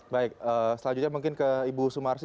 baik selanjutnya mungkin ke ibu sumarsi